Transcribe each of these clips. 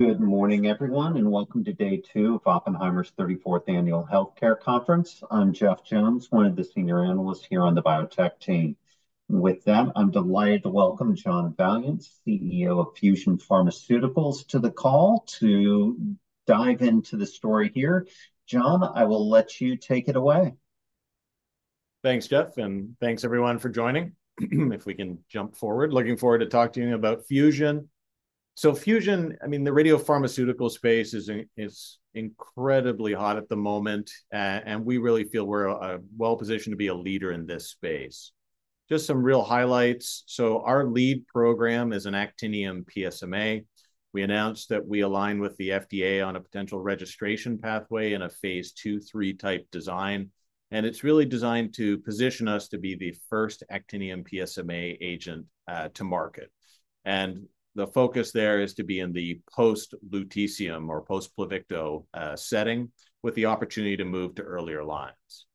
Good morning, everyone, and welcome to day two of Oppenheimer's 34th Annual Healthcare Conference. I'm Jeff Jones, one of the senior analysts here on the biotech team. With that, I'm delighted to welcome John Valliant, CEO of Fusion Pharmaceuticals, to the call to dive into the story here. John, I will let you take it away. Thanks, Jeff, and thanks everyone for joining. If we can jump forward, looking forward to talking to you about Fusion. So Fusion, I mean, the radiopharmaceutical space is incredibly hot at the moment, and we really feel we're well positioned to be a leader in this space. Just some real highlights. So our lead program is an actinium PSMA. We announced that we align with the FDA on a potential registration pathway in a phase 2/3 type design, and it's really designed to position us to be the first actinium PSMA agent to market. And the focus there is to be in the post-lutetium or post-Pluvicto setting with the opportunity to move to earlier lines.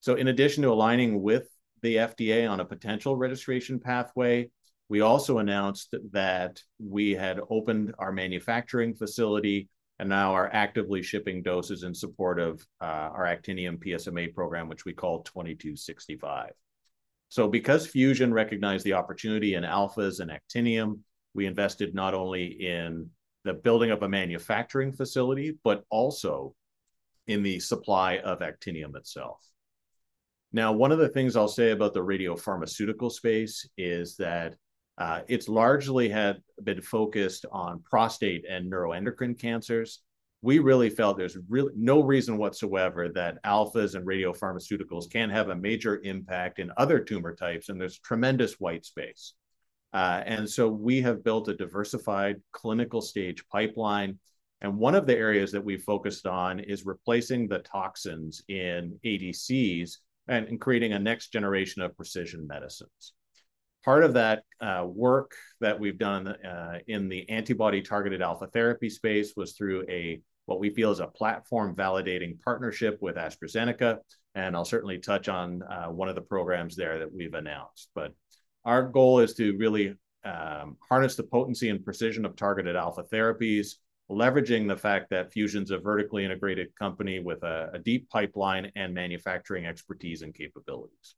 So in addition to aligning with the FDA on a potential registration pathway, we also announced that we had opened our manufacturing facility and now are actively shipping doses in support of our actinium PSMA program, which we call 2265. So because Fusion recognized the opportunity in alphas and actinium, we invested not only in the building of a manufacturing facility but also in the supply of actinium itself. Now, one of the things I'll say about the radiopharmaceutical space is that it's largely been focused on prostate and neuroendocrine cancers. We really felt there's no reason whatsoever that alphas and radiopharmaceuticals can't have a major impact in other tumor types, and there's tremendous white space. And so we have built a diversified clinical-stage pipeline, and one of the areas that we've focused on is replacing the toxins in ADCs and creating a next generation of precision medicines. Part of that work that we've done in the antibody-targeted alpha therapy space was through what we feel is a platform-validating partnership with AstraZeneca, and I'll certainly touch on one of the programs there that we've announced. But our goal is to really harness the potency and precision of targeted alpha therapies, leveraging the fact that Fusion's a vertically integrated company with a deep pipeline and manufacturing expertise and capabilities.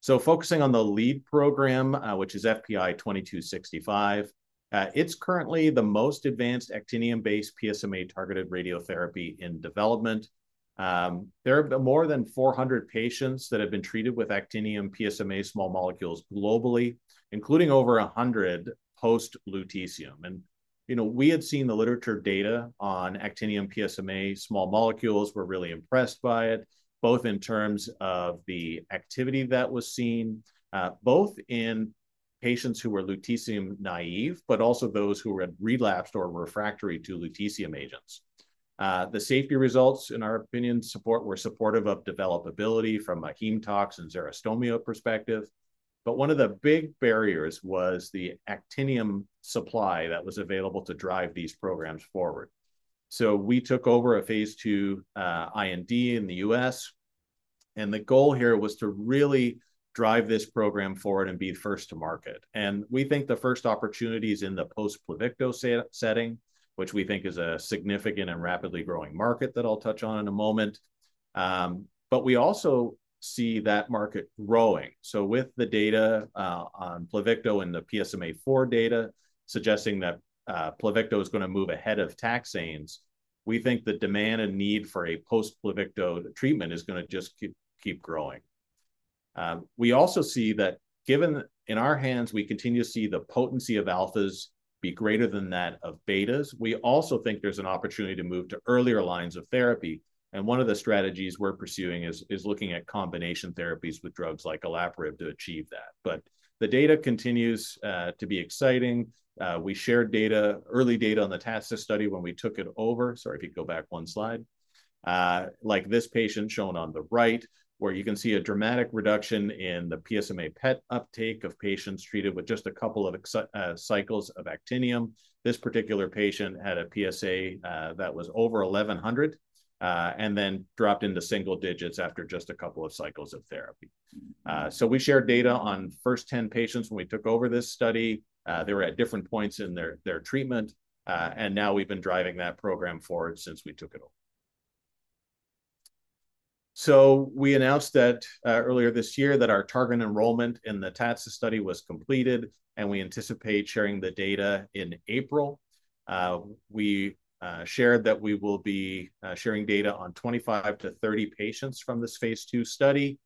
So focusing on the lead program, which is FPI-2265, it's currently the most advanced actinium-based PSMA-targeted radiotherapy in development. There are more than 400 patients that have been treated with actinium PSMA small molecules globally, including over 100 post-lutetium. And we had seen the literature data on actinium PSMA small molecules. We're really impressed by it, both in terms of the activity that was seen, both in patients who were lutetium naïve but also those who had relapsed or were refractory to lutetium agents. The safety results, in our opinion, were supportive of developability from a heme tox and xerostomia perspective. But one of the big barriers was the actinium supply that was available to drive these programs forward. So we took over a phase 2 IND in the U.S., and the goal here was to really drive this program forward and be first to market. And we think the first opportunity is in the post-Pluvicto setting, which we think is a significant and rapidly growing market that I'll touch on in a moment. But we also see that market growing. So with the data on Pluvicto and the PSMAfore data suggesting that Pluvicto is going to move ahead of taxanes, we think the demand and need for a post-Pluvicto treatment is going to just keep growing. We also see that given in our hands, we continue to see the potency of alphas be greater than that of betas. We also think there's an opportunity to move to earlier lines of therapy. And one of the strategies we're pursuing is looking at combination therapies with drugs like olaparib to achieve that. But the data continues to be exciting. We shared early data on the TATCIST study when we took it over. Sorry, if you could go back one slide. Like this patient shown on the right, where you can see a dramatic reduction in the PSMA PET uptake of patients treated with just a couple of cycles of actinium. This particular patient had a PSA that was over 1,100 and then dropped into single digits after just a couple of cycles of therapy. So we shared data on first 10 patients when we took over this study. They were at different points in their treatment, and now we've been driving that program forward since we took it over. So we announced earlier this year that our target enrollment in the TATCIST study was completed, and we anticipate sharing the data in April. We shared that we will be sharing data on 25-30 patients from this phase 2 study.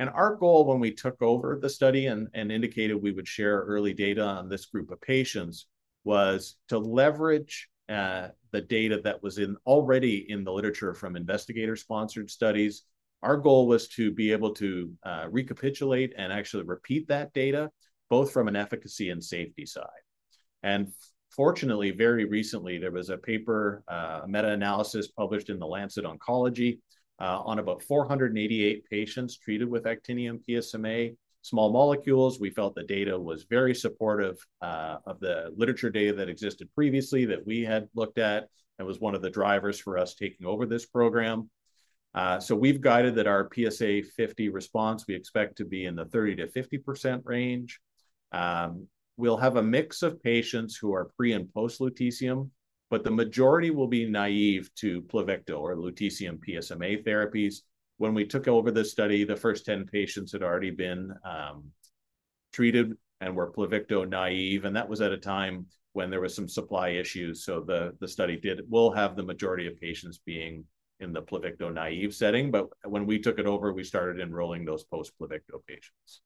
Our goal when we took over the study and indicated we would share early data on this group of patients was to leverage the data that was already in the literature from investigator-sponsored studies. Our goal was to be able to recapitulate and actually repeat that data, both from an efficacy and safety side. And fortunately, very recently, there was a paper, a meta-analysis published in The Lancet Oncology on about 488 patients treated with actinium PSMA small molecules. We felt the data was very supportive of the literature data that existed previously that we had looked at and was one of the drivers for us taking over this program. So we've guided that our PSA50 response, we expect to be in the 30%-50% range. We'll have a mix of patients who are pre- and post-lutetium, but the majority will be naïve to Pluvicto or lutetium PSMA therapies. When we took over the study, the first 10 patients had already been treated and were Pluvicto naïve, and that was at a time when there were some supply issues. So the study did, we'll have the majority of patients being in the Pluvicto-naïve setting. But when we took it over, we started enrolling those post-Pluvicto patients.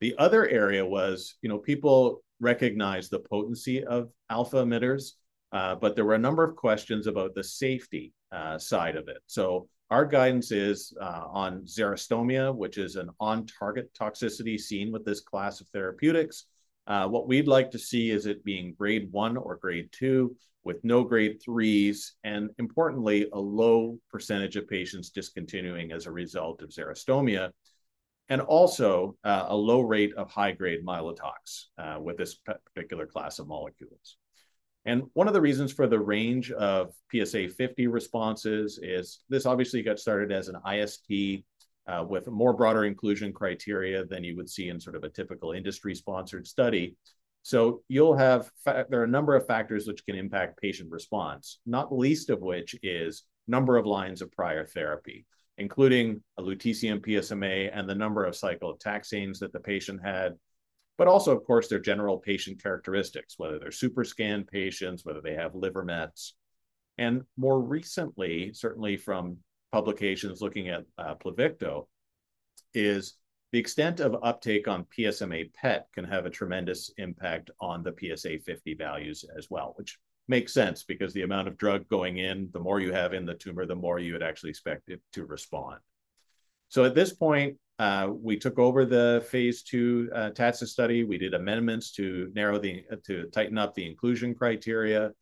The other area was people recognized the potency of alpha emitters, but there were a number of questions about the safety side of it. So our guidance is on xerostomia, which is an on-target toxicity seen with this class of therapeutics. What we'd like to see is it being grade 1 or grade 2 with no grade 3s and, importantly, a low percentage of patients discontinuing as a result of xerostomia and also a low rate of high-grade myelotox with this particular class of molecules. And one of the reasons for the range of PSA 50 responses is this obviously got started as an IST with more broader inclusion criteria than you would see in sort of a typical industry-sponsored study. So there are a number of factors which can impact patient response, not least of which is number of lines of prior therapy, including a lutetium PSMA and the number of cycle of taxanes that the patient had, but also, of course, their general patient characteristics, whether they're superscan patients, whether they have liver mets. And more recently, certainly from publications looking at Pluvicto, is the extent of uptake on PSMA PET can have a tremendous impact on the PSA50 values as well, which makes sense because the amount of drug going in, the more you have in the tumor, the more you would actually expect it to respond. So at this point, we took over the phase 2 TATCIST study. We did amendments to narrow to tighten up the inclusion criteria.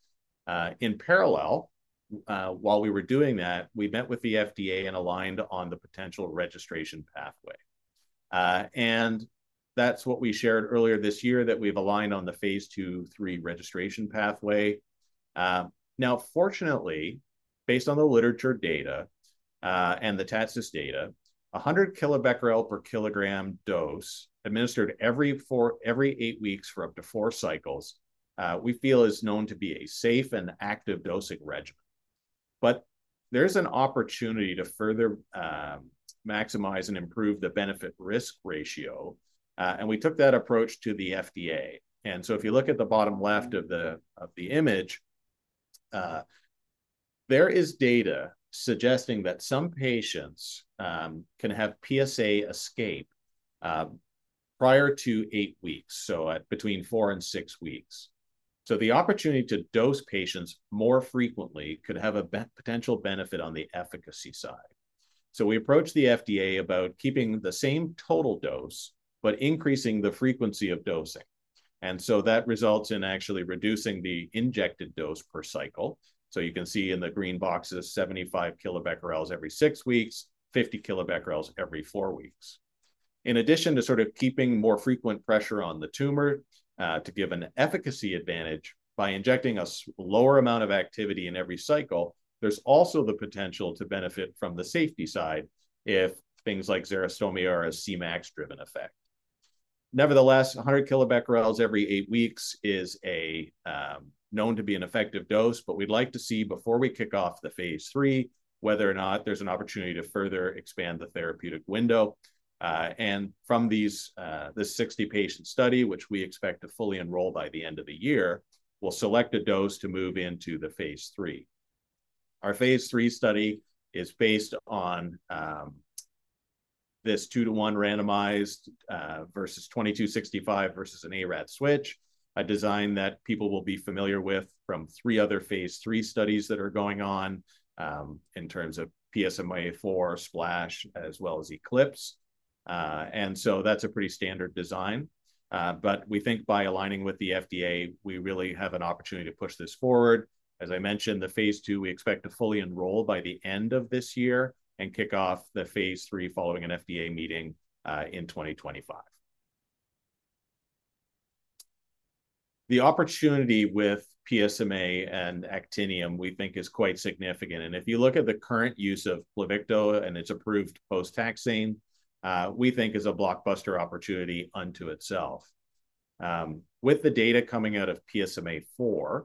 In parallel, while we were doing that, we met with the FDA and aligned on the potential registration pathway. And that's what we shared earlier this year, that we've aligned on the phase 2/3 registration pathway. Now, fortunately, based on the literature data and the TASA data, 100 kilobecquerel per kilogram dose administered every 8 weeks for up to 4 cycles we feel is known to be a safe and active dosing regimen. But there's an opportunity to further maximize and improve the benefit-risk ratio, and we took that approach to the FDA. And so if you look at the bottom left of the image, there is data suggesting that some patients can have PSA escape prior to 8 weeks, so between 4 and 6 weeks. So the opportunity to dose patients more frequently could have a potential benefit on the efficacy side. So we approached the FDA about keeping the same total dose but increasing the frequency of dosing. So that results in actually reducing the injected dose per cycle. So you can see in the green boxes, 75 kilobecquerels every 6 weeks, 50 kilobecquerels every 4 weeks. In addition to sort of keeping more frequent pressure on the tumor to give an efficacy advantage by injecting a lower amount of activity in every cycle, there's also the potential to benefit from the safety side if things like xerostomia are a Cmax-driven effect. Nevertheless, 100 kilobecquerels every 8 weeks is known to be an effective dose, but we'd like to see, before we kick off the phase 3, whether or not there's an opportunity to further expand the therapeutic window. From this 60-patient study, which we expect to fully enroll by the end of the year, we'll select a dose to move into the phase 3. Our phase 3 study is based on this 2:1 randomized versus 2265 versus an ARAD switch, a design that people will be familiar with from three other phase 3 studies that are going on in terms of PSMAfore, SPLASH, as well as Eclipse. And so that's a pretty standard design. But we think by aligning with the FDA, we really have an opportunity to push this forward. As I mentioned, the phase 2, we expect to fully enroll by the end of this year and kick off the phase 3 following an FDA meeting in 2025. The opportunity with PSMA and actinium, we think, is quite significant. If you look at the current use of Pluvicto and its approved post-taxane, we think is a blockbuster opportunity unto itself. With the data coming out of PSMAfore,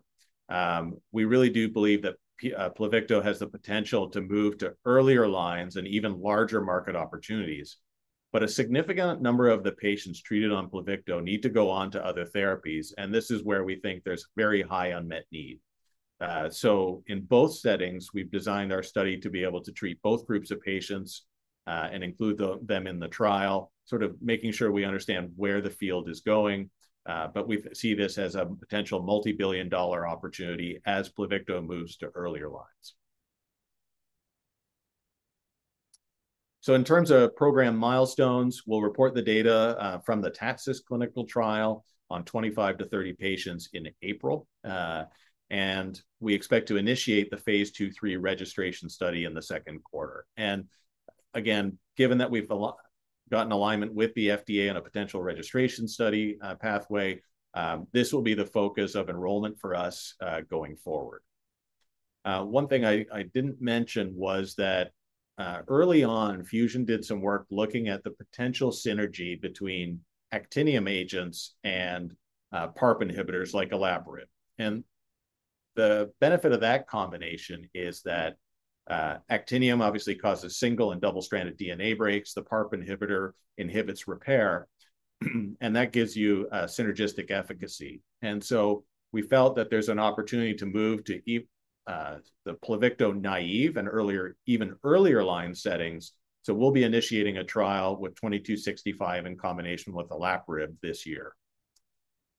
we really do believe that Pluvicto has the potential to move to earlier lines and even larger market opportunities. But a significant number of the patients treated on Pluvicto need to go on to other therapies, and this is where we think there's very high unmet need. So in both settings, we've designed our study to be able to treat both groups of patients and include them in the trial, sort of making sure we understand where the field is going. But we see this as a potential multibillion-dollar opportunity as Pluvicto moves to earlier lines. So in terms of program milestones, we'll report the data from the TATCIST clinical trial on 25-30 patients in April, and we expect to initiate the phase 2/3 registration study in the second quarter. And again, given that we've gotten alignment with the FDA on a potential registration study pathway, this will be the focus of enrollment for us going forward. One thing I didn't mention was that early on, Fusion did some work looking at the potential synergy between actinium agents and PARP inhibitors like olaparib. And the benefit of that combination is that actinium obviously causes single- and double-stranded DNA breaks. The PARP inhibitor inhibits repair, and that gives you synergistic efficacy. And so we felt that there's an opportunity to move to the Pluvicto-naïve and even earlier line settings. So we'll be initiating a trial with 2265 in combination with olaparib this year.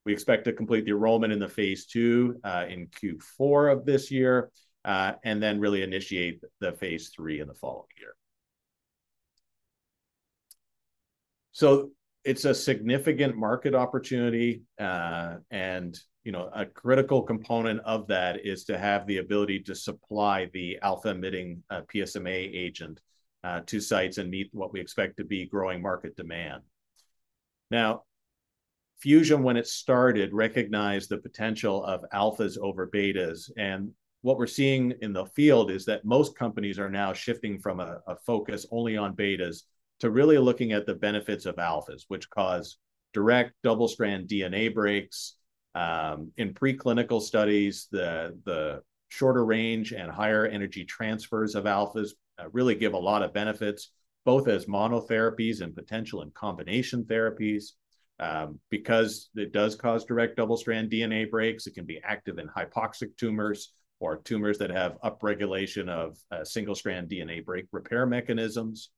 We expect to complete the enrollment in the phase 2 in Q4 of this year and then really initiate the phase 3 in the following year. It's a significant market opportunity, and a critical component of that is to have the ability to supply the alpha-emitting PSMA agent to sites and meet what we expect to be growing market demand. Now, Fusion, when it started, recognized the potential of alphas over betas. What we're seeing in the field is that most companies are now shifting from a focus only on betas to really looking at the benefits of alphas, which cause direct double-strand DNA breaks. In preclinical studies, the shorter range and higher energy transfers of alphas really give a lot of benefits, both as monotherapies and potentially in combination therapies because it does cause direct double-strand DNA breaks. It can be active in hypoxic tumors or tumors that have upregulation of single-strand DNA break repair mechanisms.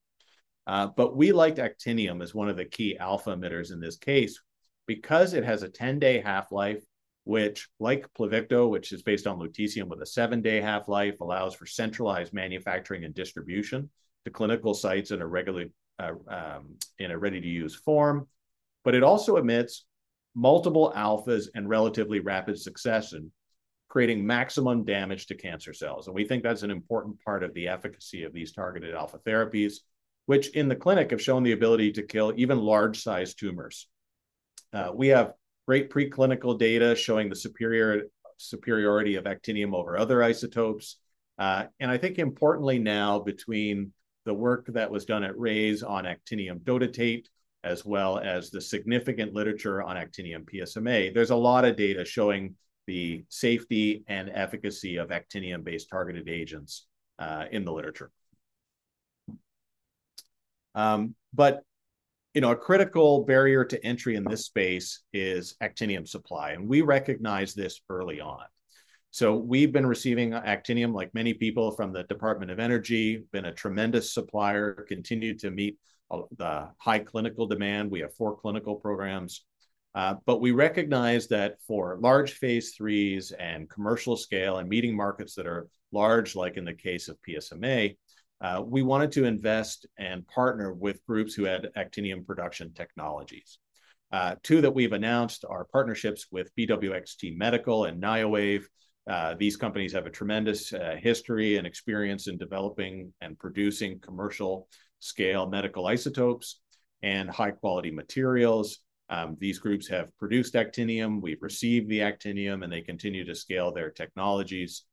But we liked actinium as one of the key alpha emitters in this case because it has a 10-day half-life, which, like Pluvicto, which is based on lutetium with a 7-day half-life, allows for centralized manufacturing and distribution to clinical sites in a ready-to-use form. But it also emits multiple alphas in relatively rapid succession, creating maximum damage to cancer cells. And we think that's an important part of the efficacy of these targeted alpha therapies, which in the clinic have shown the ability to kill even large-sized tumors. We have great preclinical data showing the superiority of actinium over other isotopes. And I think, importantly now, between the work that was done at Rayze on actinium dotatate as well as the significant literature on actinium PSMA, there's a lot of data showing the safety and efficacy of actinium-based targeted agents in the literature. But a critical barrier to entry in this space is actinium supply, and we recognized this early on. So we've been receiving actinium, like many people, from the Department of Energy, been a tremendous supplier, continued to meet the high clinical demand. We have four clinical programs. But we recognized that for large phase 3s and commercial scale and meeting markets that are large, like in the case of PSMA, we wanted to invest and partner with groups who had actinium production technologies. Two that we've announced are partnerships with BWXT Medical and Niowave. These companies have a tremendous history and experience in developing and producing commercial-scale medical isotopes and high-quality materials. These groups have produced actinium. We've received the actinium, and they continue to scale their technologies.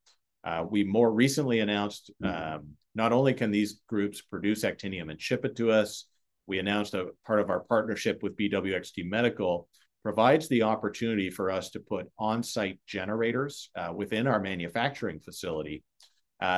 We more recently announced, "Not only can these groups produce actinium and ship it to us," we announced that part of our partnership with BWXT Medical provides the opportunity for us to put on-site generators within our manufacturing facility.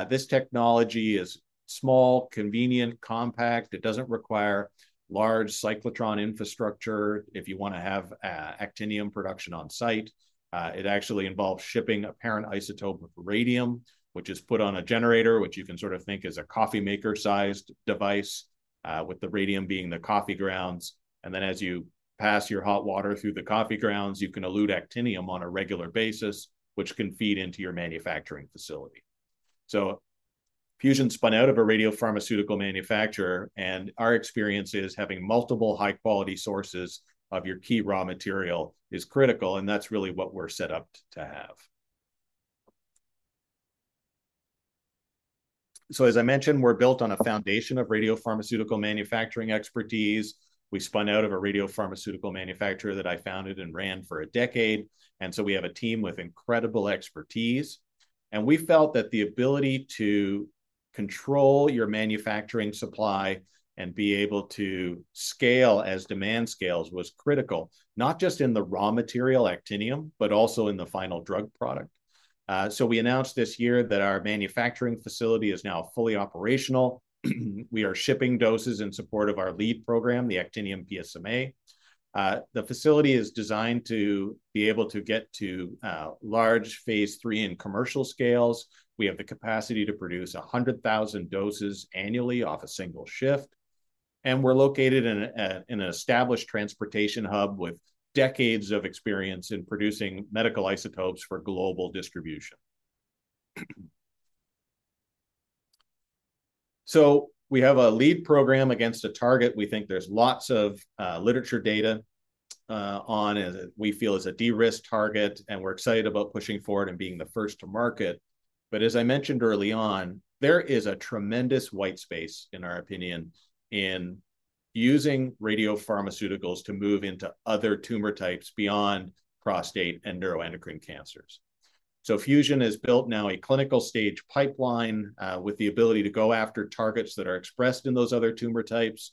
This technology is small, convenient, compact. It doesn't require large cyclotron infrastructure if you want to have actinium production on site. It actually involves shipping a parent isotope of radium, which is put on a generator, which you can sort of think is a coffee-maker-sized device with the radium being the coffee grounds. And then, as you pass your hot water through the coffee grounds, you can elute actinium on a regular basis, which can feed into your manufacturing facility. Fusion spun out of a radiopharmaceutical manufacturer, and our experience is having multiple high-quality sources of your key raw material is critical, and that's really what we're set up to have. As I mentioned, we're built on a foundation of radiopharmaceutical manufacturing expertise. We spun out of a radiopharmaceutical manufacturer that I founded and ran for a decade. We have a team with incredible expertise. We felt that the ability to control your manufacturing supply and be able to scale as demand scales was critical, not just in the raw material, actinium, but also in the final drug product. We announced this year that our manufacturing facility is now fully operational. We are shipping doses in support of our lead program, the actinium PSMA. The facility is designed to be able to get to large phase 3 and commercial scales. We have the capacity to produce 100,000 doses annually off a single shift. We're located in an established transportation hub with decades of experience in producing medical isotopes for global distribution. We have a lead program against a target we think there's lots of literature data on and we feel is a de-risk target, and we're excited about pushing forward and being the first to market. But, as I mentioned early on, there is a tremendous white space, in our opinion, in using radiopharmaceuticals to move into other tumor types beyond prostate and neuroendocrine cancers. Fusion has built now a clinical-stage pipeline with the ability to go after targets that are expressed in those other tumor types.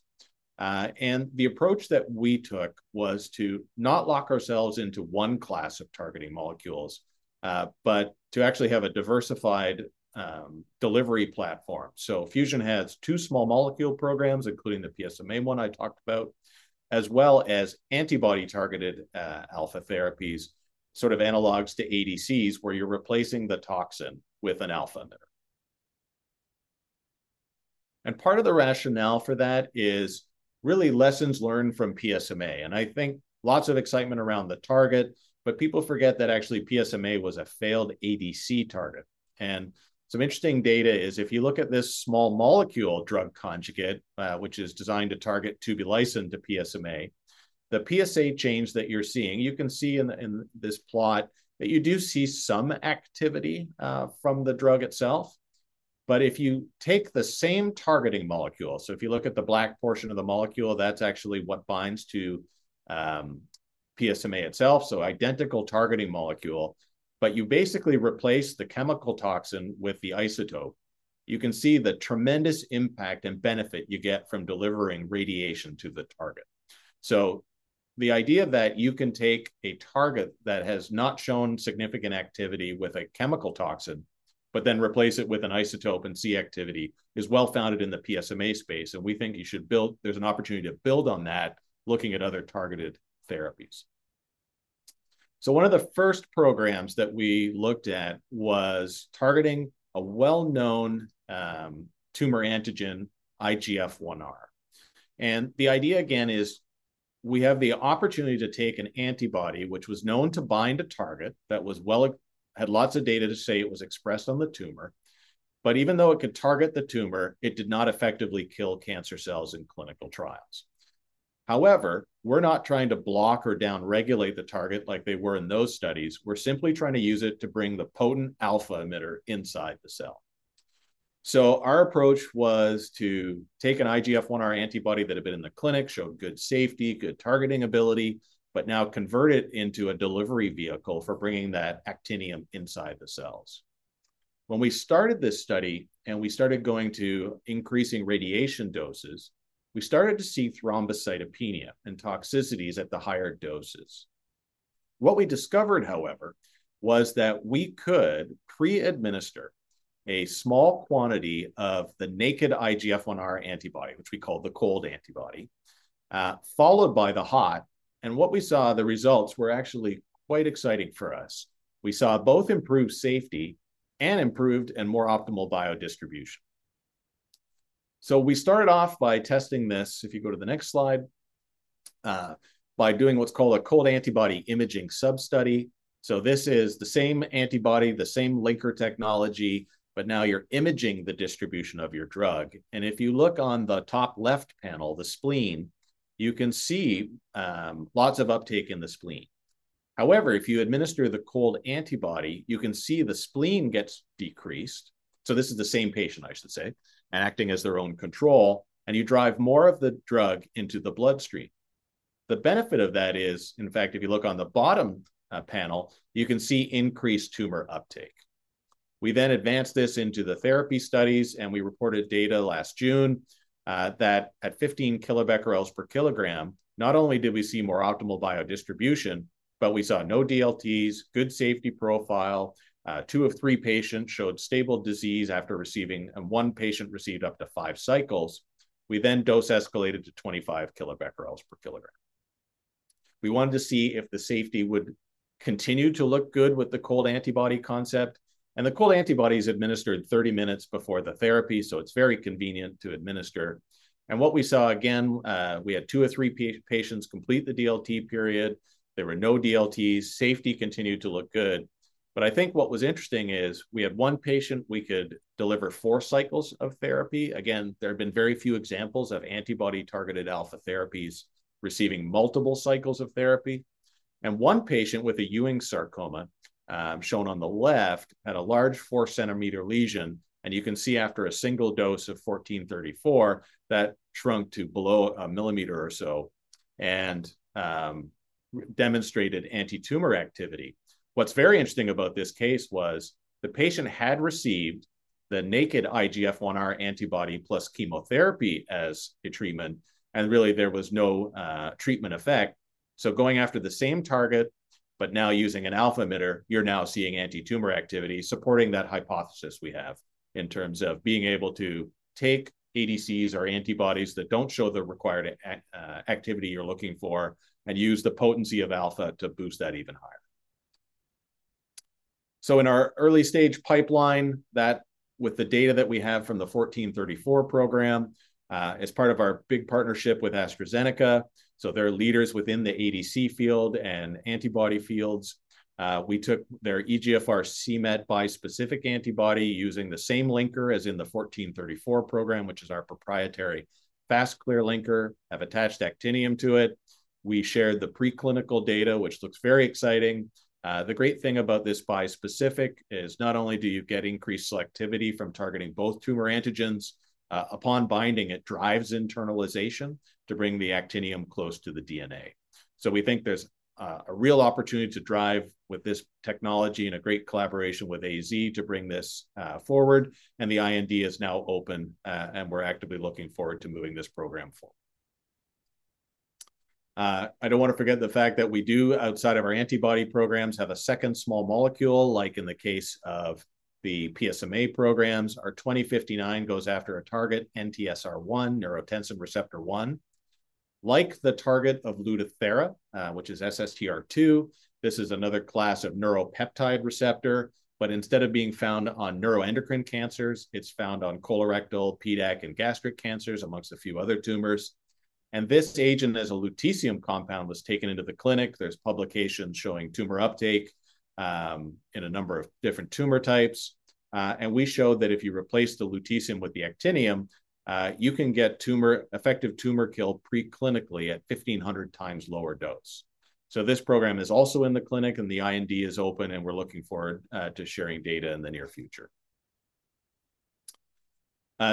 The approach that we took was to not lock ourselves into one class of targeting molecules but to actually have a diversified delivery platform. So Fusion has two small molecule programs, including the PSMA one I talked about, as well as antibody-targeted alpha therapies, sort of analogues to ADCs, where you're replacing the toxin with an alpha emitter. Part of the rationale for that is really lessons learned from PSMA. I think lots of excitement around the target, but people forget that actually PSMA was a failed ADC target. Some interesting data is, if you look at this small molecule drug conjugate, which is designed to target tubulysin to PSMA, the PSA change that you're seeing, you can see in this plot that you do see some activity from the drug itself. But if you take the same targeting molecule so if you look at the black portion of the molecule, that's actually what binds to PSMA itself, so identical targeting molecule. But you basically replace the chemical toxin with the isotope. You can see the tremendous impact and benefit you get from delivering radiation to the target. So the idea that you can take a target that has not shown significant activity with a chemical toxin but then replace it with an isotope and see activity is well-founded in the PSMA space, and we think you should build there's an opportunity to build on that looking at other targeted therapies. So one of the first programs that we looked at was targeting a well-known tumor antigen, IGF-1R. And the idea, again, is we have the opportunity to take an antibody which was known to bind a target that had lots of data to say it was expressed on the tumor. But even though it could target the tumor, it did not effectively kill cancer cells in clinical trials. However, we're not trying to block or downregulate the target like they were in those studies. We're simply trying to use it to bring the potent alpha emitter inside the cell. So our approach was to take an IGF-1R antibody that had been in the clinic, showed good safety, good targeting ability, but now convert it into a delivery vehicle for bringing that actinium inside the cells. When we started this study and we started going to increasing radiation doses, we started to see thrombocytopenia and toxicities at the higher doses. What we discovered, however, was that we could pre-administer a small quantity of the naked IGF-1R antibody, which we called the cold antibody, followed by the hot. And what we saw, the results were actually quite exciting for us. We saw both improved safety and improved and more optimal biodistribution. So we started off by testing this. If you go to the next slide, by doing what's called a cold antibody imaging substudy. So this is the same antibody, the same linker technology, but now you're imaging the distribution of your drug. And if you look on the top left panel, the spleen, you can see lots of uptake in the spleen. However, if you administer the cold antibody, you can see the spleen gets decreased so this is the same patient, I should say, and acting as their own control, and you drive more of the drug into the bloodstream. The benefit of that is, in fact, if you look on the bottom panel, you can see increased tumor uptake. We then advanced this into the therapy studies, and we reported data last June that at 15 kilobecquerels per kilogram, not only did we see more optimal biodistribution, but we saw no DLTs, good safety profile, 2 of 3 patients showed stable disease after receiving and 1 patient received up to 5 cycles. We then dose escalated to 25 kilobecquerels per kilogram. We wanted to see if the safety would continue to look good with the cold antibody concept. The cold antibody is administered 30 minutes before the therapy, so it's very convenient to administer. And what we saw, again, we had 2 or 3 patients complete the DLT period. There were no DLTs. Safety continued to look good. But I think what was interesting is we had 1 patient we could deliver 4 cycles of therapy. Again, there have been very few examples of antibody-targeted alpha therapies receiving multiple cycles of therapy. And 1 patient with a Ewing sarcoma shown on the left had a large 4-centimeter lesion, and you can see after a single dose of 1434 that shrunk to below a millimeter or so and demonstrated antitumor activity. What's very interesting about this case was the patient had received the naked IGF-1R antibody plus chemotherapy as a treatment, and really, there was no treatment effect. So going after the same target but now using an alpha emitter, you're now seeing antitumor activity supporting that hypothesis we have in terms of being able to take ADCs or antibodies that don't show the required activity you're looking for and use the potency of alpha to boost that even higher. So in our early-stage pipeline, with the data that we have from the 1434 program, as part of our big partnership with AstraZeneca so they're leaders within the ADC field and antibody fields - we took their EGFR-cMET bispecific antibody using the same linker as in the 1434 program, which is our proprietary Fast-Clear linker, have attached actinium to it. We shared the preclinical data, which looks very exciting. The great thing about this bispecific is not only do you get increased selectivity from targeting both tumor antigens, upon binding, it drives internalization to bring the actinium close to the DNA. So we think there's a real opportunity to drive with this technology in a great collaboration with AZ to bring this forward. The IND is now open, and we're actively looking forward to moving this program forward. I don't want to forget the fact that we do, outside of our antibody programs, have a second small molecule, like in the case of the PSMA programs. Our 2059 goes after a target, NTSR1, neurotensin receptor 1. Like the target of Lutathera, which is SSTR2, this is another class of neuropeptide receptor, but instead of being found on neuroendocrine cancers, it's found on colorectal, pancreatic, and gastric cancers, among a few other tumors. This agent, as a lutetium compound, was taken into the clinic. There's publications showing tumor uptake in a number of different tumor types. We showed that if you replace the lutetium with the actinium, you can get effective tumor kill preclinically at 1,500 times lower dose. This program is also in the clinic, and the IND is open, and we're looking forward to sharing data in the near future.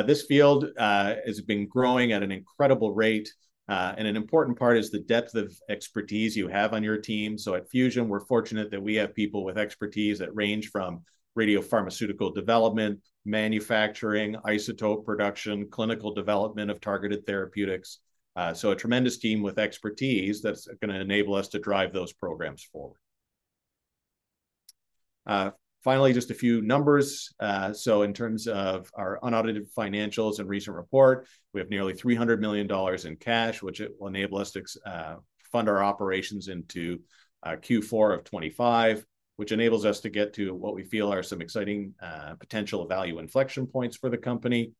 This field has been growing at an incredible rate, and an important part is the depth of expertise you have on your team. At Fusion, we're fortunate that we have people with expertise that range from radiopharmaceutical development, manufacturing, isotope production, clinical development of targeted therapeutics. A tremendous team with expertise that's going to enable us to drive those programs forward. Finally, just a few numbers. So in terms of our unaudited financials and recent report, we have nearly $300 million in cash, which will enable us to fund our operations into Q4 of 2025, which enables us to get to what we feel are some exciting potential value inflection points for the company,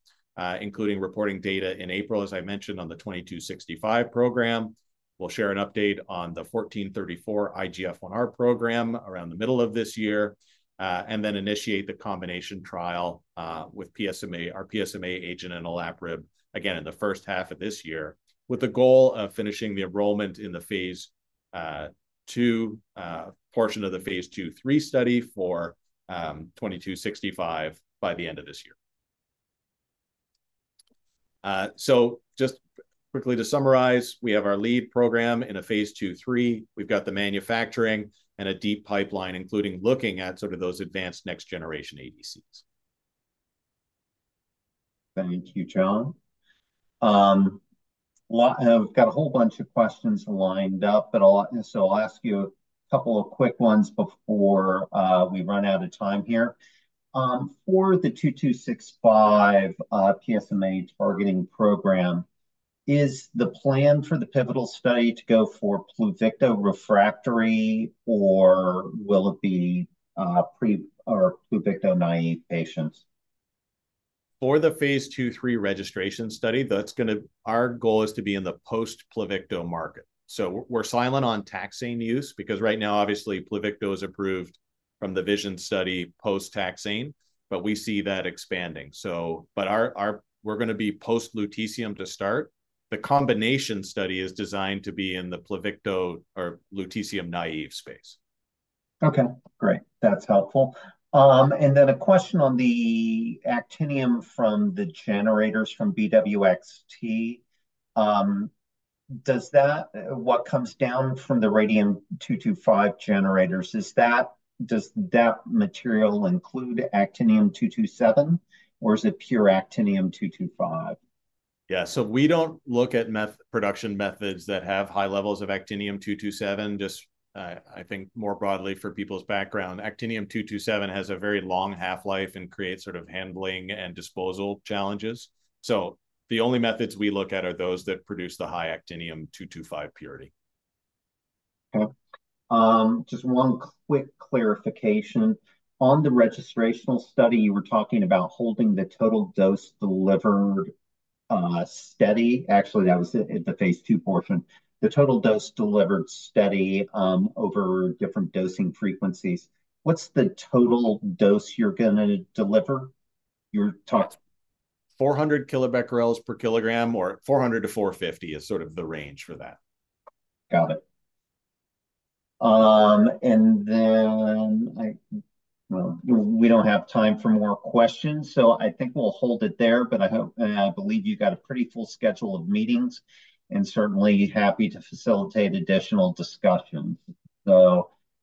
including reporting data in April, as I mentioned, on the 2265 program. We'll share an update on the 1434 IGF-1R program around the middle of this year and then initiate the combination trial with our PSMA agent and olaparib, again, in the first half of this year, with the goal of finishing the enrollment in the phase 2 portion of the phase 2/3 study for 2265 by the end of this year. So just quickly to summarize, we have our lead program in a phase 2/3. We've got the manufacturing and a deep pipeline, including looking at sort of those advanced next-generation ADCs. Thank you, John. I've got a whole bunch of questions lined up, but I'll ask you a couple of quick ones before we run out of time here. For the 2265 PSMA targeting program, is the plan for the pivotal study to go for Pluvicto-refractory, or will it be pre- or Pluvicto-naïve patients? For the phase 2/3 registration study, our goal is to be in the post-Pluvicto market. So we're silent on taxane use because right now, obviously, Pluvicto is approved from the VISION study post-taxane, but we see that expanding. But we're going to be post-lutetium to start. The combination study is designed to be in the Pluvicto- or lutetium-naïve space. Okay. Great. That's helpful. And then a question on the actinium from the generators from BWXT. What comes down from the radium-225 generators, does that material include actinium-227, or is it pure actinium-225? Yeah. So we don't look at production methods that have high levels of actinium-227, just I think more broadly for people's background. Actinium-227 has a very long half-life and creates sort of handling and disposal challenges. So the only methods we look at are those that produce the high actinium-225 purity. Okay. Just one quick clarification. On the registrational study, you were talking about holding the total dose delivered steady. Actually, that was the phase 2 portion. The total dose delivered steady over different dosing frequencies. What's the total dose you're going to deliver? You talked. 400 kilobecquerels per kilogram, or 400-450 is sort of the range for that. Got it. And then well, we don't have time for more questions, so I think we'll hold it there. I believe you've got a pretty full schedule of meetings, and certainly happy to facilitate additional discussions.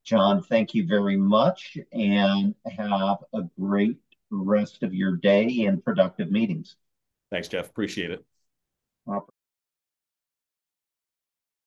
John, thank you very much, and have a great rest of your day and productive meetings. Thanks, Jeff. Appreciate it.